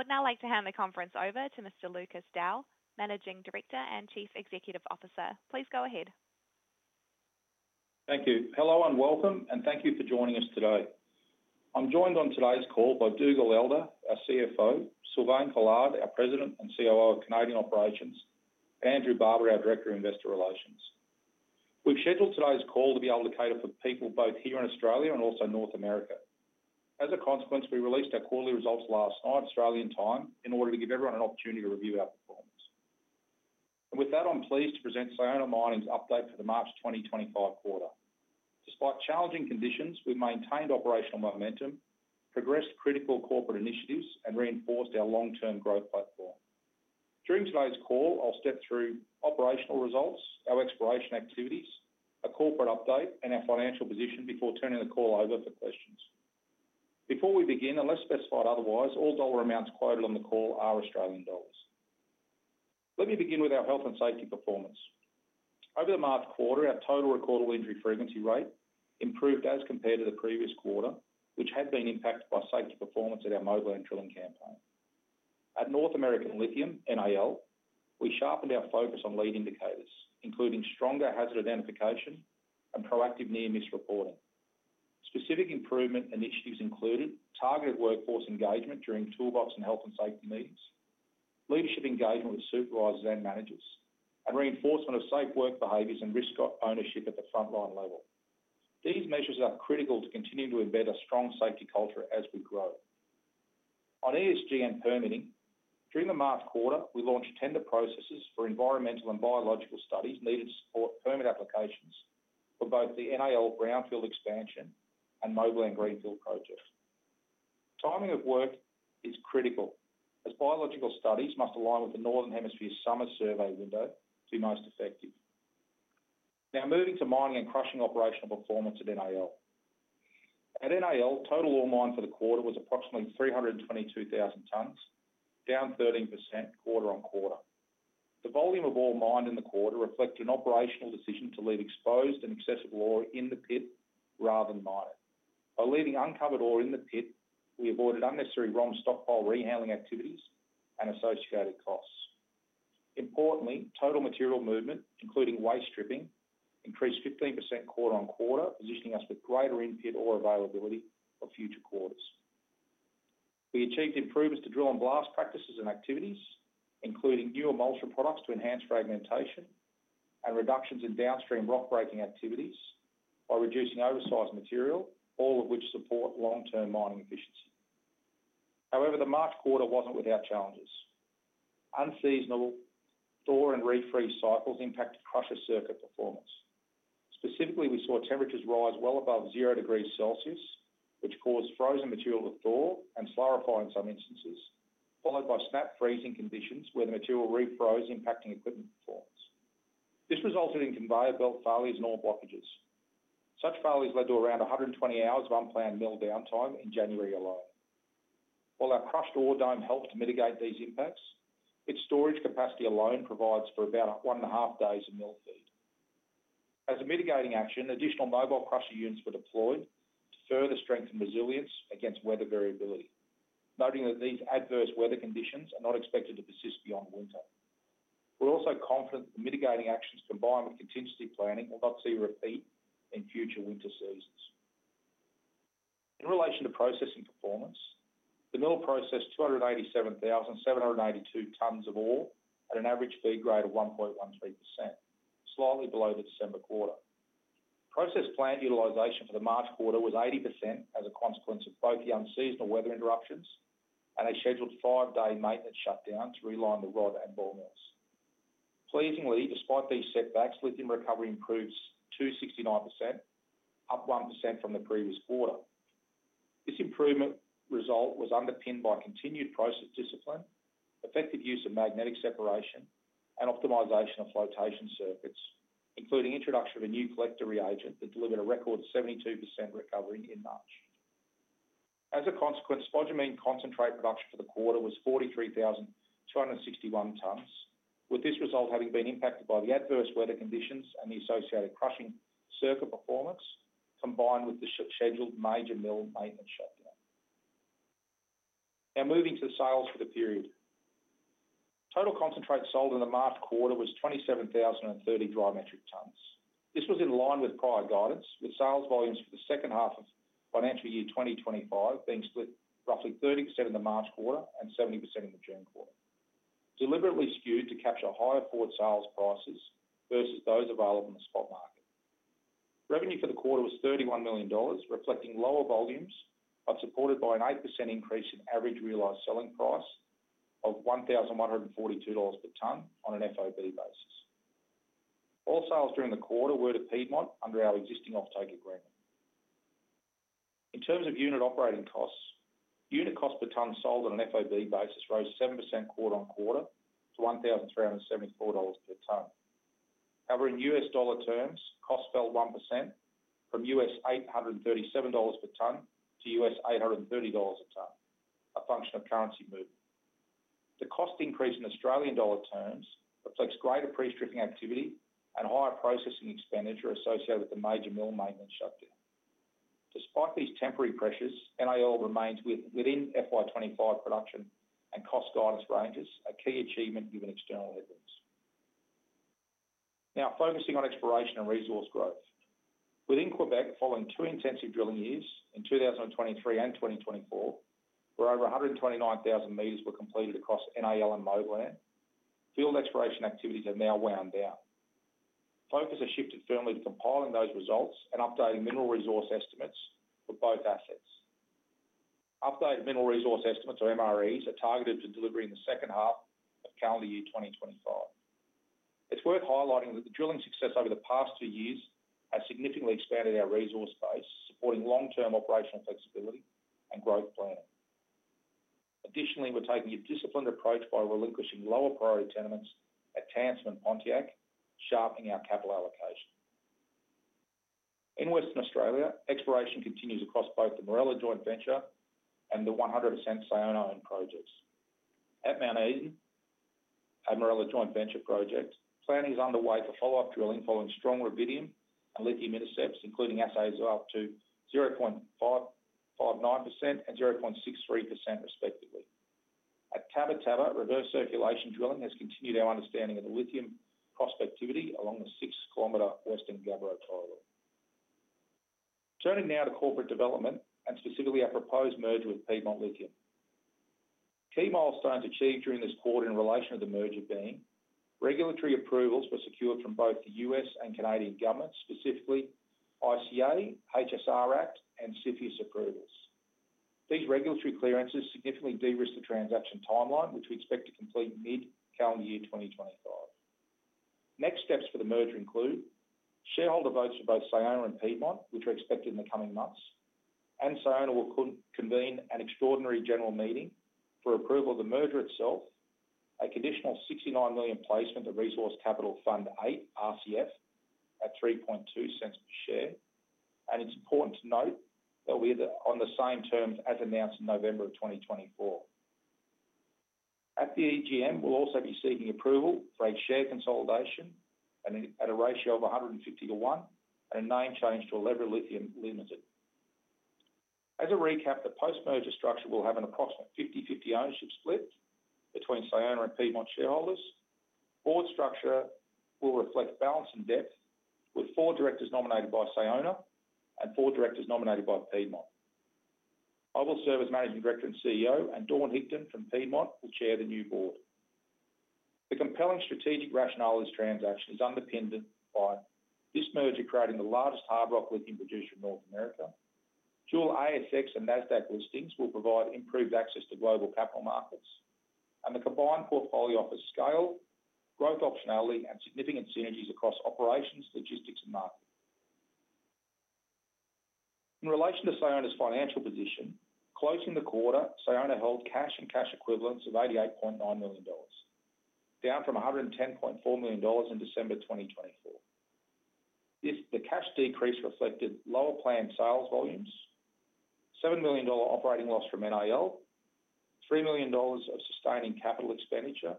I would now like to hand the conference over to Mr. Lucas Dow, Managing Director and Chief Executive Officer. Please go ahead. Thank you. Hello and welcome, and thank you for joining us today. I'm joined on today's call by Dougal Elder, our CFO; Sylvain Collard, our President and COO of Canadian Operations; and Andrew Barber, our Director of Investor Relations. We've scheduled today's call to be able to cater for people both here in Australia and also North America. As a consequence, we released our quarterly results last night, Australian time, in order to give everyone an opportunity to review our performance. With that, I'm pleased to present Sayona Mining's update for the March 2025 quarter. Despite challenging conditions, we've maintained operational momentum, progressed critical corporate initiatives, and reinforced our long-term growth platform. During today's call, I'll step through operational results, our exploration activities, a corporate update, and our financial position before turning the call over for questions. Before we begin, unless specified otherwise, all dollar amounts quoted on the call are AUD. Let me begin with our health and safety performance. Over the March quarter, our total recordable injury frequency rate improved as compared to the previous quarter, which had been impacted by safety performance at our mobile and drilling campaign. At North American Lithium (NAL), we sharpened our focus on lead indicators, including stronger hazard identification and proactive near-miss reporting. Specific improvement initiatives included targeted workforce engagement during toolbox and health and safety meetings, leadership engagement with supervisors and managers, and reinforcement of safe work behaviors and risk ownership at the frontline level. These measures are critical to continue to embed a strong safety culture as we grow. On ESG and permitting, during the March quarter, we launched tender processes for environmental and biological studies needed to support permit applications for both the NAL brownfield expansion and Moblan greenfield projects. Timing of work is critical, as biological studies must align with the Northern Hemisphere summer survey window to be most effective. Now moving to mining and crushing operational performance at NAL. At NAL, total ore mined for the quarter was approximately 322,000 tonnes, down 13% quarter-on-quarter. The volume of ore mined in the quarter reflected an operational decision to leave exposed and accessible ore in the pit rather than mine it. By leaving uncovered ore in the pit, we avoided unnecessary ROM stockpile rehandling activities and associated costs. Importantly, total material movement, including waste stripping, increased 15% quarter-on-quarter, positioning us with greater in-pit ore availability for future quarters. We achieved improvements to drill and blast practices and activities, including new emulsion products to enhance fragmentation and reductions in downstream rock-breaking activities by reducing oversized material, all of which support long-term mining efficiency. However, the March quarter was not without challenges. Unseasonable thaw and refreeze cycles impacted crusher circuit performance. Specifically, we saw temperatures rise well above zero degrees Celsius, which caused frozen material to thaw and solidify in some instances, followed by snap freezing conditions where the material refroze, impacting equipment performance. This resulted in conveyor belt failures and ore blockages. Such failures led to around 120 hours of unplanned mill downtime in January alone. While our crushed ore dome helped to mitigate these impacts, its storage capacity alone provides for about one and a half days of mill feed. As a mitigating action, additional mobile crusher units were deployed to further strengthen resilience against weather variability, noting that these adverse weather conditions are not expected to persist beyond winter. We're also confident that the mitigating actions, combined with contingency planning, will not see a repeat in future winter seasons. In relation to processing performance, the mill processed 287,782 tonnes of ore at an average feed grade of 1.13%, slightly below the December quarter. Processed plant utilisation for the March quarter was 80% as a consequence of both the unseasonal weather interruptions and a scheduled five-day maintenance shutdown to realign the rod and bore mills. Pleasingly, despite these setbacks, lithium recovery improved 269%, up 1% from the previous quarter. This improvement result was underpinned by continued process discipline, effective use of magnetic separation, and optimisation of flotation circuits, including introduction of a new collector reagent that delivered a record 72% recovery in March. As a consequence, spodumene concentrate production for the quarter was 43,261 tonnes, with this result having been impacted by the adverse weather conditions and the associated crushing circuit performance, combined with the scheduled major mill maintenance shutdown. Now moving to sales for the period. Total concentrate sold in the marked quarter was 27,030 dry metric tonnes. This was in line with prior guidance, with sales volumes for the second half of financial year 2025 being split roughly 30% in the March quarter and 70% in the June quarter, deliberately skewed to capture higher forward sales prices versus those available in the spot market. Revenue for the quarter was 31 million dollars, reflecting lower volumes, but supported by an 8% increase in average realized selling price of 1,142 dollars per tonne on an FOB basis. All sales during the quarter were Piedmont under our existing off-take agreement. In terms of unit operating costs, unit cost per tonne sold on an FOB basis rose 7% quarter-on-quarter to 1,374 dollars per tonne. However, in U.S. dollar terms, cost fell 1% from $837 per tonne to $830 a tonne, a function of currency movement. The cost increase in Australian dollar terms reflects greater pre-stripping activity and higher processing expenditure associated with the major mill maintenance shutdown. Despite these temporary pressures, NAL remains within FY2025 production and cost guidance ranges, a key achievement given external headwinds. Now focusing on exploration and resource growth. Within Quebec, following two intensive drilling years in 2023 and 2024, where over 129,000 metres were completed across NAL and Moblan, field exploration activities have now wound down. Focus has shifted firmly to compiling those results and updating mineral resource estimates for both assets. Updated mineral resource estimates or MREs are targeted to delivery in the second half of calendar year 2025. It's worth highlighting that the drilling success over the past two years has significantly expanded our resource base, supporting long-term operational flexibility and growth planning. Additionally, we're taking a disciplined approach by relinquishing lower priority tenements at Tansim and Pontiac, sharpening our capital allocation. In Western Australia, exploration continues across both the Morella Joint Venture and the 100% Sayona owned projects. At Mount Eden, a Morella Joint Venture project, planning is underway for follow-up drilling following strong rubidium and lithium intercepts, including assays of up to 0.559% and 0.63% respectively. At Tabba Tabba, reverse circulation drilling has continued our understanding of the lithium prospectivity along the six-km Western Gabbro corridor. Turning now to corporate development and specifically our proposed merger with Piedmont Lithium. Key milestones achieved during this quarter in relation to the merger being regulatory approvals were secured from both the U.S. and Canadian governments, specifically ICA, HSR Act, and CFIUS approvals. These regulatory clearances significantly de-risked the transaction timeline, which we expect to complete mid-calendar year 2025. Next steps for the merger include shareholder votes for both Sayona and Piedmont, which are expected in the coming months. Sayona will convene an extraordinary general meeting for approval of the merger itself, a conditional 69 million placement of Resource Capital Fund 8, RCF, at 0.032 per share. It is important to note they'll be on the same terms as announced in November of 2024. At the AGM, we'll also be seeking approval for a share consolidation at a ratio of 150:1 and a name change to Elevra Lithium Limited. As a recap, the post-merger structure will have an approximate 50/50 ownership split between Sayona and Piedmont shareholders. Board structure will reflect balance and depth, with four directors nominated by Sayona and four directors nominated by Piedmont. I will serve as Managing Director and CEO, and Dawne Hickton from Piedmont will chair the new board. The compelling strategic rationale is transaction is underpinned by this merger creating the largest hard rock lithium producer in North America. Dual ASX and NASDAQ listings will provide improved access to global capital markets, and the combined portfolio offers scale, growth optionality, and significant synergies across operations, logistics, and marketing. In relation to Sayona's financial position, closing the quarter, Sayona held cash and cash equivalents of 88.9 million dollars, down from 110.4 million dollars in December 2024. The cash decrease reflected lower planned sales volumes, 7 million dollar operating loss from NAL, 3 million dollars of sustaining capital expenditure,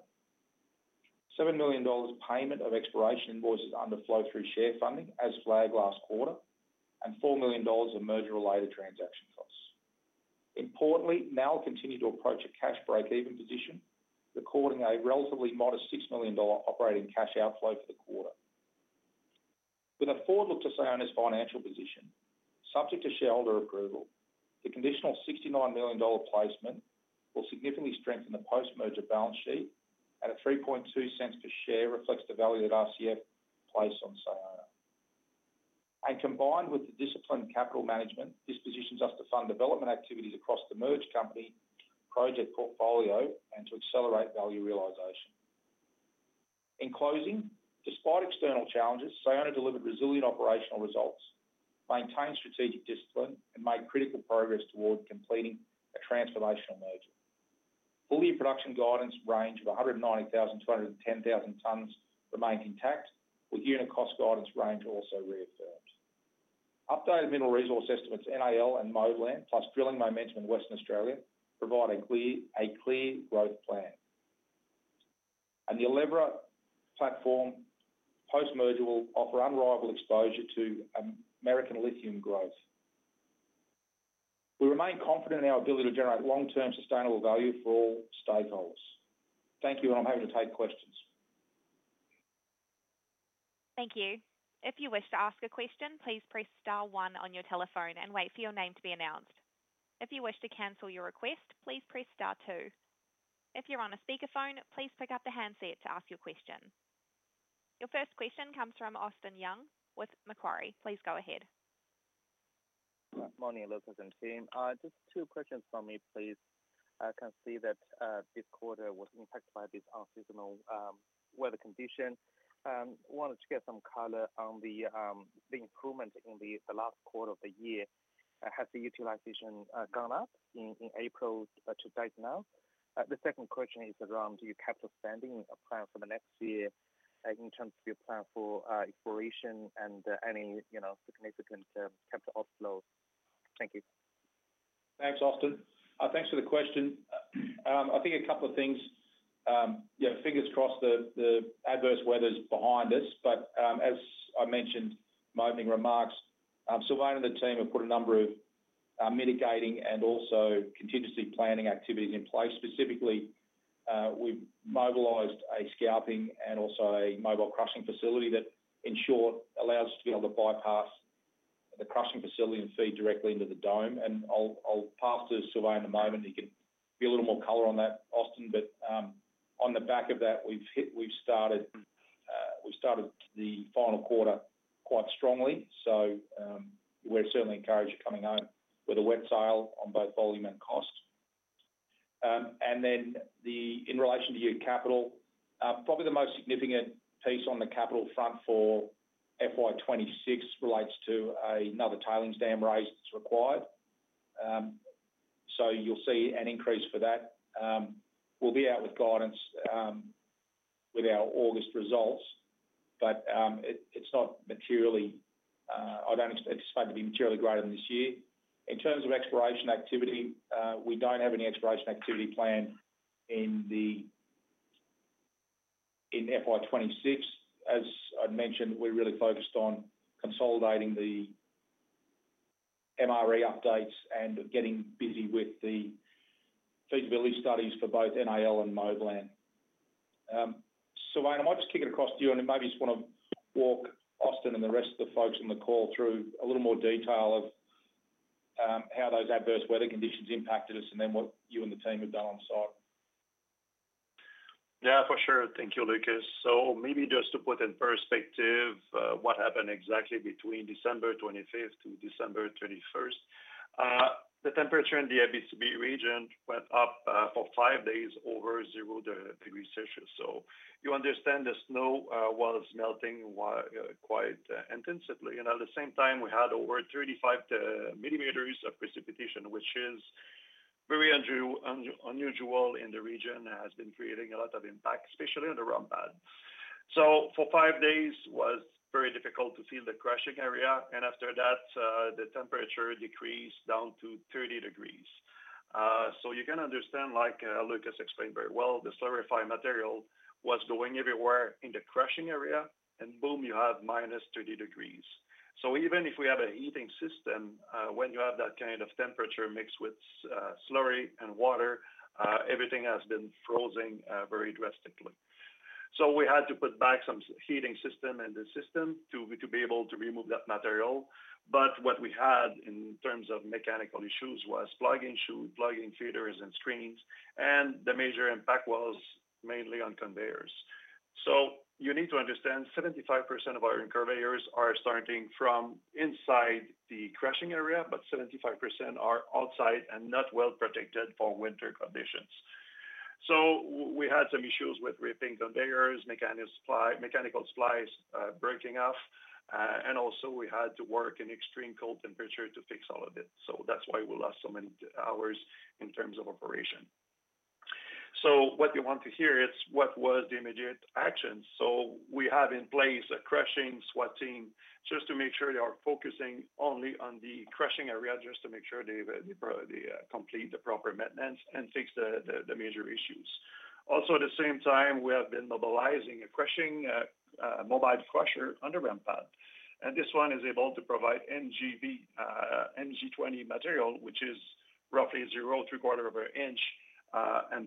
7 million dollars payment of exploration invoices under flow-through share funding as flagged last quarter, and 4 million dollars of merger-related transaction costs. Importantly, NAL continued to approach a cash break-even position, recording a relatively modest 6 million dollar operating cash outflow for the quarter. With a forward look to Sayona's financial position, subject to shareholder approval, the conditional 69 million dollar placement will significantly strengthen the post-merger balance sheet, and a 0.032 per share reflects the value that RCF placed on Sayona. Combined with the disciplined capital management, this positions us to fund development activities across the merged company project portfolio and to accelerate value realisation. In closing, despite external challenges, Sayona delivered resilient operational results, maintained strategic discipline, and made critical progress toward completing a transformational merger. Fully production guidance range of 190,000-210,000 tonnes remained intact, with unit cost guidance range also reaffirmed. Updated mineral resource estimates NAL and Moblan, plus drilling momentum in Western Australia, provide a clear growth plan. The Elevra platform post-merger will offer unrivalled exposure to American lithium growth. We remain confident in our ability to generate long-term sustainable value for all stakeholders. Thank you, and I'm happy to take questions. Thank you. If you wish to ask a question, please press star one on your telephone and wait for your name to be announced. If you wish to cancel your request, please press star two. If you're on a speakerphone, please pick up the handset to ask your question. Your first question comes from Austin Yun with Macquarie. Please go ahead. Good morning, Elizabeth and team. Just two questions from me, please. I can see that this quarter was impacted by this unseasonal weather condition. I wanted to get some color on the improvement in the last quarter of the year. Has the utilization gone up in April to date now? The second question is around your capital spending plan for the next year in terms of your plan for exploration and any significant capital outflows. Thank you. Thanks, Austin. Thanks for the question. I think a couple of things. Fingers crossed the adverse weather is behind us, but as I mentioned in my opening remarks, Sylvain and the team have put a number of mitigating and also contingency planning activities in place. Specifically, we have mobilized a scalping and also a mobile crushing facility that, in short, allows us to be able to bypass the crushing facility and feed directly into the dome. I will pass to Sylvain in a moment. You can give a little more color on that, Austin. On the back of that, we have started the final quarter quite strongly. We are certainly encouraged to come in home with a wet sail on both volume and cost. In relation to your capital, probably the most significant piece on the capital front for FY 2026 relates to another tailings dam raise that is required. You'll see an increase for that. We'll be out with guidance with our August results, but it's not materially—I don't expect it to be materially greater than this year. In terms of exploration activity, we don't have any exploration activity planned in FY 2026. As I'd mentioned, we're really focused on consolidating the MRE updates and getting busy with the feasibility studies for both NAL and Moblan. Sylvain, I might just kick it across to you, and maybe just want to walk Austin and the rest of the folks on the call through a little more detail of how those adverse weather conditions impacted us and then what you and the team have done on site. Yeah, for sure. Thank you, Lucas. Maybe just to put in perspective what happened exactly between December 25th to December 21st, the temperature in the Abitibi region went up for five days over zero degrees Celsius. You understand the snow was melting quite intensively. At the same time, we had over 35 millimeters of precipitation, which is very unusual in the region and has been creating a lot of impact, especially on the ROM pad. For five days, it was very difficult to see the crushing area. After that, the temperature decreased down to 30 degrees. You can understand, like Lucas explained very well, the solidifying material was going everywhere in the crushing area, and boom, you have -30 degrees. Even if we have a heating system, when you have that kind of temperature mixed with slurry and water, everything has been freezing very drastically. We had to put back some heating system and the system to be able to remove that material. What we had in terms of mechanical issues was plug-in feeders and screens, and the major impact was mainly on conveyors. You need to understand 75% of our conveyors are starting from inside the crushing area, but 75% are outside and not well protected for winter conditions. We had some issues with ripping conveyors, mechanical supplies breaking off, and also we had to work in extreme cold temperature to fix all of it. That is why we lost so many hours in terms of operation. What you want to hear is what was the immediate action. We have in place a crushing swatting just to make sure they are focusing only on the crushing area just to make sure they complete the proper maintenance and fix the major issues. Also, at the same time, we have been mobilising a crushing mobile crusher underground pad. This one is able to provide MG20 material, which is roughly zero to a quarter of an inch.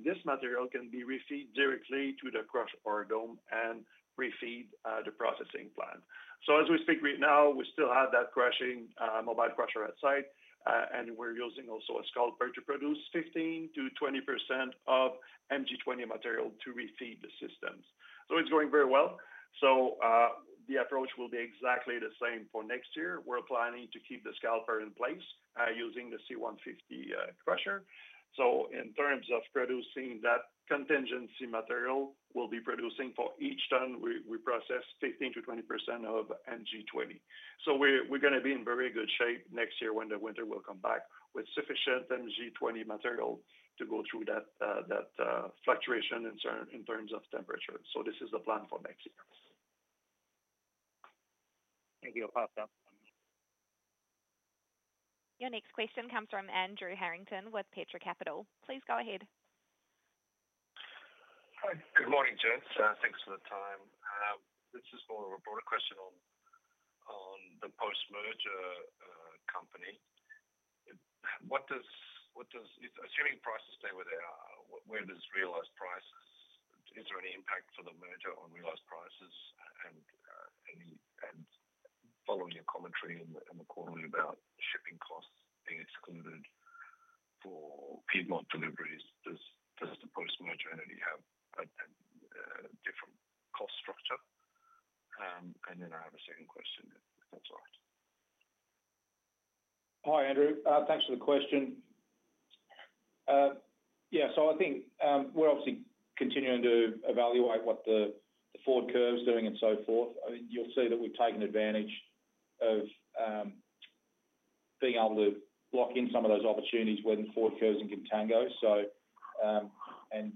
This material can be refed directly to the crush or dome and refed the processing plant. As we speak right now, we still have that crushing mobile crusher at site, and we're using also a scalper to produce 15%-20% of MG20 material to refed the systems. It's going very well. The approach will be exactly the same for next year. We're planning to keep the scalper in place using the C150 crusher. In terms of producing that contingency material, we'll be producing for each tonne we process, 15%-20% of MG20. We're going to be in very good shape next year when the winter will come back with sufficient MG20 material to go through that fluctuation in terms of temperature. This is the plan for next year. Thank you. Your next question comes from Andrew Harrington with Petra Capital. Please go ahead. Hi. Good morning, gents. Thanks for the time. This is more of a broader question on the post-merger company. Assuming prices stay where they are, where does realised price—is there any impact for the merger on realised prices? Following your commentary in the quarter about shipping costs being excluded for Piedmont deliveries, does the post-merger entity have a different cost structure? I have a second question, if that's all right. Hi, Andrew. Thanks for the question. Yeah, I think we're obviously continuing to evaluate what the forward curve's doing and so forth. You'll see that we've taken advantage of being able to lock in some of those opportunities when the forward curve's in good tango. They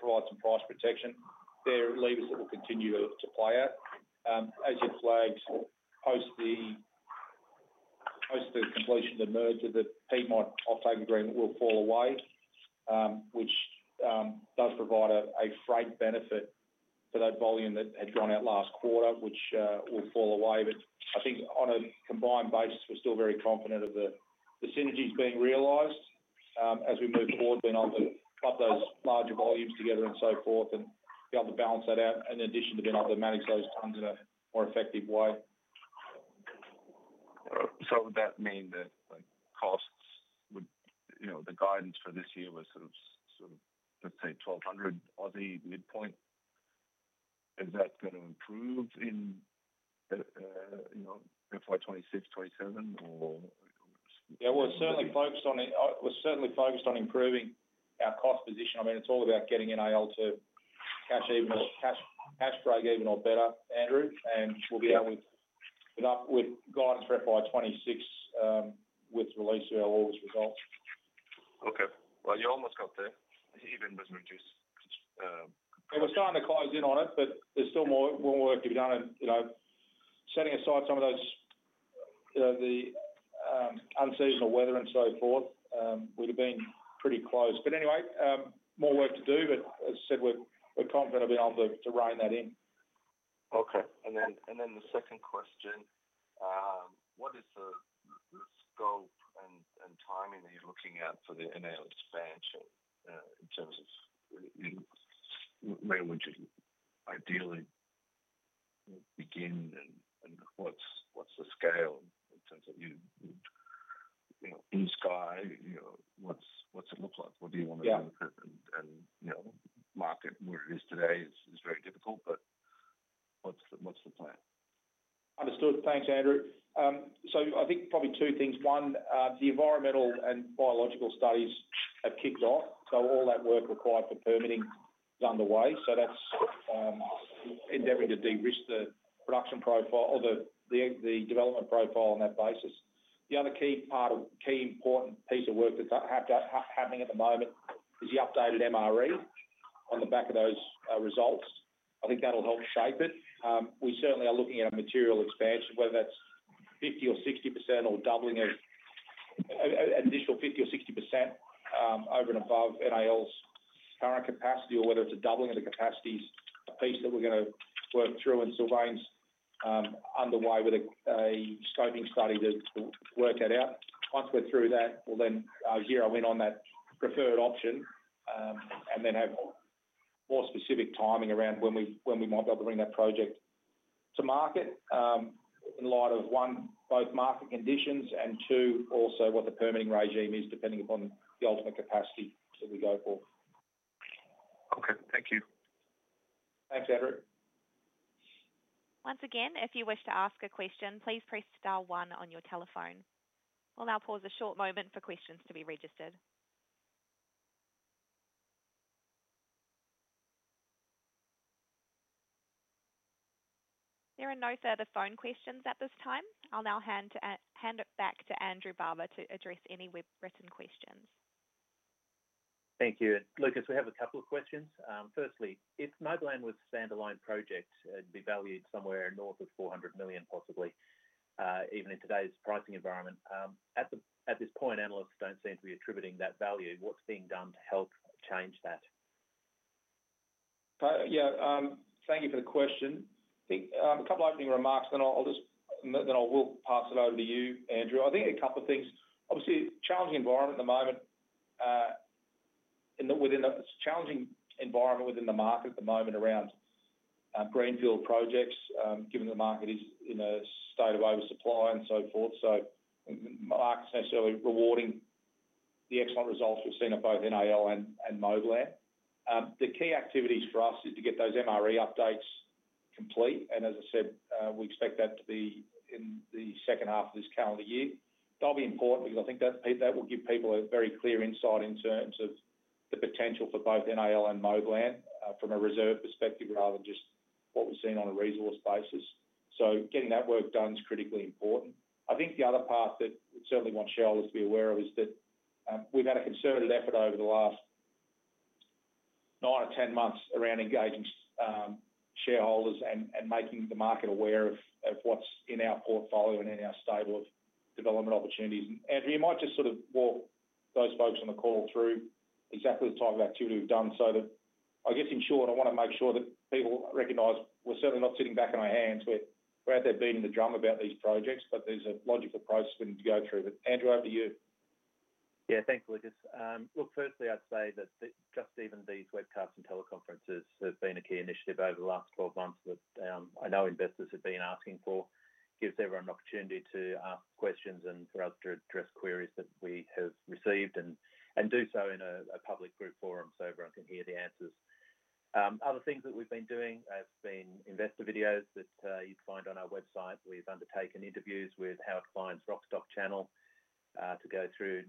provide some price protection. They're levers that will continue to play out. As you flagged, post the completion of the merger, the Piedmont off-take agreement will fall away, which does provide a freight benefit for that volume that had gone out last quarter, which will fall away. I think on a combined basis, we're still very confident of the synergies being realised as we move forward, being able to put those larger volumes together and so forth, and be able to balance that out in addition to being able to manage those tonnes in a more effective way. Would that mean that costs would—the guidance for this year was sort of, let's say, 1,200 midpoint. Is that going to improve in FY 2026, 2027, or? Yeah, we're certainly focused on it. We're certainly focused on improving our cost position. I mean, it's all about getting NAL to cash break even or better, Andrew, and we'll be out with guidance for FY 2026 with release of our August results. Okay. You're almost up there. Even as we just— We're starting to close in on it, but there's still more work to be done. Setting aside some of the unseasonal weather and so forth, we'd have been pretty close. Anyway, more work to do, but as I said, we're confident we'll be able to rein that in. Okay. Then the second question, what is the scope and timing that you're looking at for the NAL expansion in terms of when would you ideally begin and what's the scale in terms of you in the sky? What's it look like? What do you want to do? Market where it is today is very difficult, but what's the plan? Understood. Thanks, Andrew. I think probably two things. One, the environmental and biological studies have kicked off. All that work required for permitting is underway. That is endeavoring to de-risk the production profile or the development profile on that basis. The other key important piece of work that's happening at the moment is the updated MRE on the back of those results. I think that'll help shape it. We certainly are looking at a material expansion, whether that's 50% or 60% or doubling of additional 50% or 60% over and above NAL's current capacity, or whether it's a doubling of the capacity piece that we're going to work through. Silvana's underway with a scoping study to work that out. Once we're through that, we'll then zero in on that preferred option and then have more specific timing around when we might be able to bring that project to market in light of, one, both market conditions and, two, also what the permitting regime is depending upon the ultimate capacity that we go for. Okay. Thank you. Thanks, Andrew. Once again, if you wish to ask a question, please press star one on your telephone. We'll now pause a short moment for questions to be registered. There are no further phone questions at this time. I'll now hand it back to Andrew Barber to address any written questions. Thank you. Lucas, we have a couple of questions. Firstly, if Moblan was a standalone project, it'd be valued somewhere north of 400 million, possibly, even in today's pricing environment. At this point, analysts don't seem to be attributing that value. What's being done to help change that? Yeah. Thank you for the question. I think a couple of opening remarks, then I'll just pass it over to you, Andrew. I think a couple of things. Obviously, challenging environment at the moment. It's a challenging environment within the market at the moment around greenfield projects, given the market is in a state of oversupply and so forth. The market's not necessarily rewarding the excellent results we've seen at both NAL and Moblan. The key activities for us is to get those MRE updates complete. As I said, we expect that to be in the second half of this calendar year. That will be important because I think that will give people a very clear insight in terms of the potential for both NAL and Moblan from a reserve perspective rather than just what we have seen on a resource basis. Getting that work done is critically important. I think the other part that we certainly want shareholders to be aware of is that we have had a concerted effort over the last nine or ten months around engaging shareholders and making the market aware of what is in our portfolio and in our stable of development opportunities. Andrew, you might just sort of walk those folks on the call through exactly the type of activity we've done so that I guess, in short, I want to make sure that people recognize we're certainly not sitting back on our hands. We're out there beating the drum about these projects, but there's a logical process we need to go through. Andrew, over to you. Yeah. Thanks, Lucas. Look, firstly, I'd say that just even these webcasts and teleconferences have been a key initiative over the last 12 months that I know investors have been asking for. It gives everyone an opportunity to ask questions and for us to address queries that we have received and do so in a public group forum so everyone can hear the answers. Other things that we've been doing have been investor videos that you'd find on our website. We've undertaken interviews with Howard Klein's Rock Stock channel to go through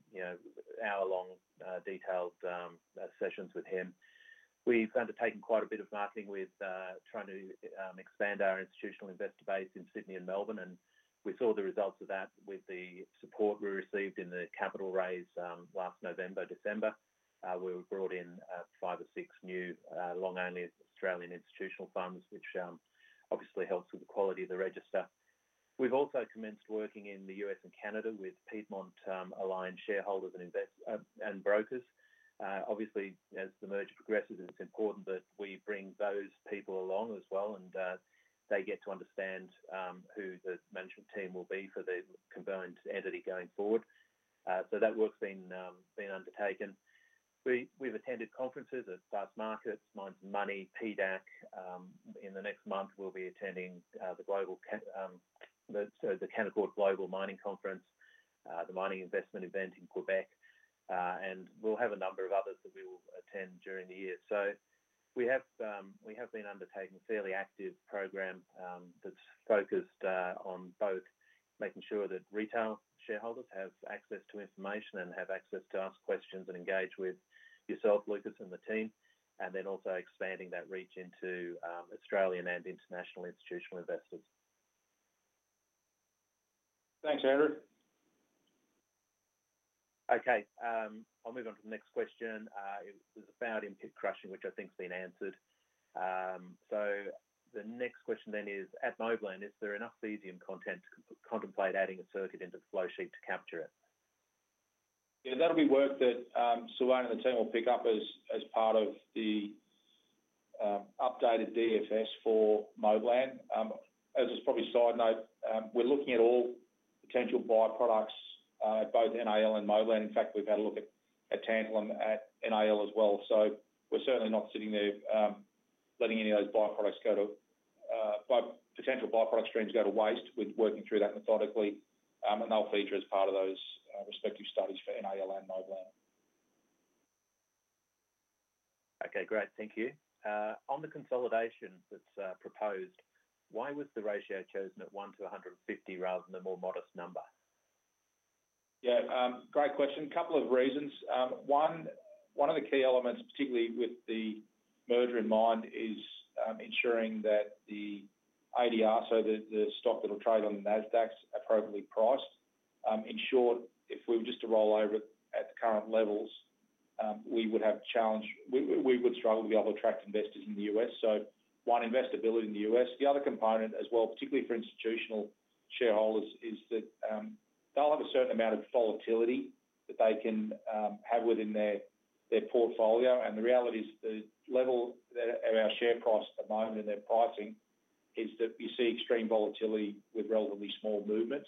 hour-long detailed sessions with him. We've undertaken quite a bit of marketing with trying to expand our institutional investor base in Sydney and Melbourne. We saw the results of that with the support we received in the capital raise last November, December. We brought in five or six new long-only Australian institutional funds, which obviously helps with the quality of the register. We've also commenced working in the U.S. and Canada with Piedmont Alliance shareholders and brokers. Obviously, as the merger progresses, it's important that we bring those people along as well, and they get to understand who the management team will be for the conveying entity going forward. That work's been undertaken. We've attended conferences at past markets, Mines and Money, PDAC. In the next month, we'll be attending the Canaccord Global Mining Conference, the mining investment event in Quebec, and we'll have a number of others that we will attend during the year. We have been undertaking a fairly active program that's focused on both making sure that retail shareholders have access to information and have access to ask questions and engage with yourself, Lucas, and the team, and also expanding that reach into Australian and international institutional investors. Thanks, Andrew. Okay. I'll move on to the next question. It was about in pit crushing, which I think's been answered. The next question then is, at Moblan, is there enough cesium content to contemplate adding a circuit into the flowsheet to capture it? Yeah, that'll be work that Sylvain and the team will pick up as part of the updated DFS for Moblan. As a probably side note, we're looking at all potential byproducts, both NAL and Moblan. In fact, we've had a look at tantalum at NAL as well. So we're certainly not sitting there letting any of those byproducts go to potential byproduct streams go to waste. We're working through that methodically, and they'll feature as part of those respective studies for NAL and Moblan. Okay. Great. Thank you. On the consolidation that's proposed, why was the ratio chosen at 1 to 150 rather than a more modest number? Yeah. Great question. A couple of reasons. One, one of the key elements, particularly with the merger in mind, is ensuring that the ADR, so the stock that'll trade on the Nasdaq, are appropriately priced. In short, if we were just to roll over at the current levels, we would have challenge, we would struggle to be able to attract investors in the U.S. One, investor ability in the U.S. The other component as well, particularly for institutional shareholders, is that they'll have a certain amount of volatility that they can have within their portfolio. The reality is the level of our share price at the moment in their pricing is that you see extreme volatility with relatively small movements,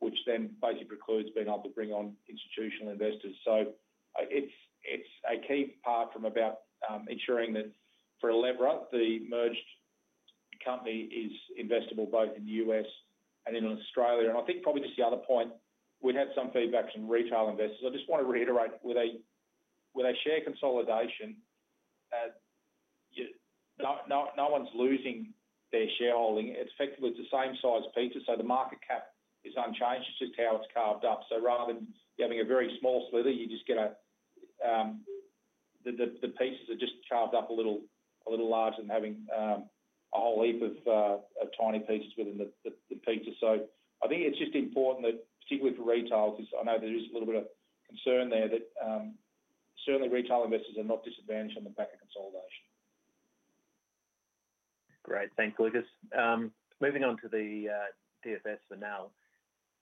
which then basically precludes being able to bring on institutional investors. It is a key part from about ensuring that for Elevra, the merged company is investable both in the U.S. and in Australia. I think probably just the other point, we'd have some feedback from retail investors. I just want to reiterate, with a share consolidation, no one's losing their shareholding. It's effectively the same size pieces. The market cap is unchanged. It's just how it's carved up. Rather than having a very small slither, you just get the pieces are just carved up a little larger than having a whole heap of tiny pieces within the pieces. I think it's just important that, particularly for retailers, I know there is a little bit of concern there that certainly retail investors are not disadvantaged on the back of consolidation. Great. Thanks, Lucas. Moving on to the DFS for now,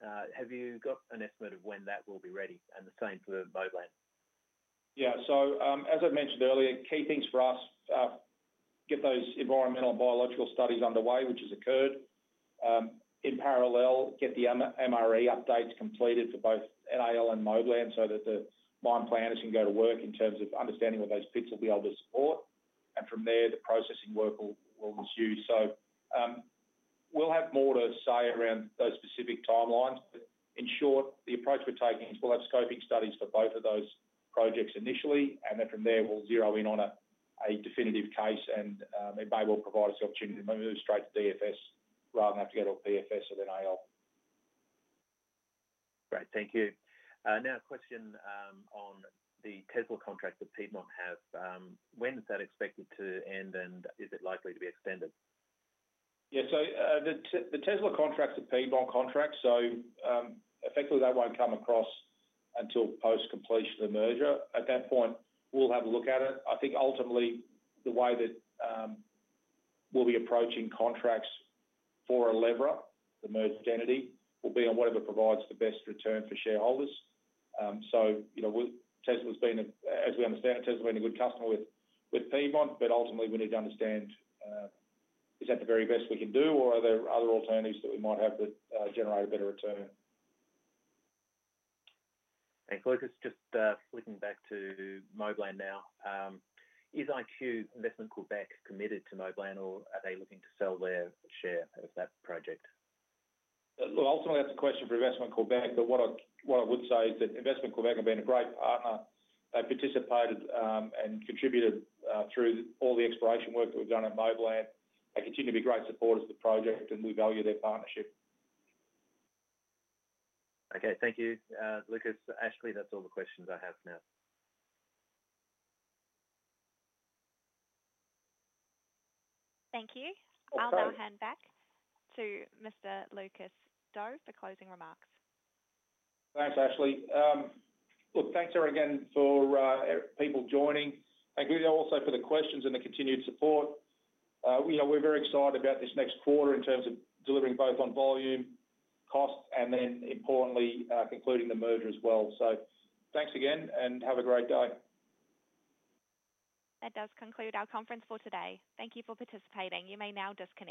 have you got an estimate of when that will be ready? The same for Moblan. Yeah. As I mentioned earlier, key things for us, get those environmental and biological studies underway, which has occurred. In parallel, get the MRE updates completed for both NAL and Moblan so that the mine planners can go to work in terms of understanding what those pits will be able to support. From there, the processing work will ensue. We will have more to say around those specific timelines. In short, the approach we are taking is we will have scoping studies for both of those projects initially, and from there, we will zero in on a definitive case, and it may well provide us the opportunity to move straight to DFS rather than have to go to a PFS and then IL. Great. Thank you. Now, a question on the Tesla contracts that Piedmont has. When is that expected to end, and is it likely to be extended? Yeah. The Tesla contracts are Piedmont contracts. Effectively, they will not come across until post-completion of the merger. At that point, we'll have a look at it. I think ultimately, the way that we'll be approaching contracts for Elevra, the merged entity, will be on whatever provides the best return for shareholders. As we understand, Tesla has been a good customer with Piedmont, but ultimately, we need to understand, is that the very best we can do, or are there other alternatives that we might have that generate a better return? Thanks, Lucas. Just flipping back to Moblan now. Is Investment Quebec committed to Moblan, or are they looking to sell their share of that project? Look, ultimately, that's a question for Investment Quebec, but what I would say is that Investment Quebec have been a great partner. They've participated and contributed through all the exploration work that we've done at Moblan. They continue to be great supporters of the project, and we value their partnership. Okay. Thank you. Lucas, Ashley, that's all the questions I have now. Thank you. I'll now hand back to Mr. Lucas Dow for closing remarks. Thanks, Ashley. Look, thanks everyone again for people joining, including also for the questions and the continued support. We're very excited about this next quarter in terms of delivering both on volume, costs, and then importantly, concluding the merger as well. Thanks again, and have a great day. That does conclude our conference for today. Thank you for participating. You may now disconnect.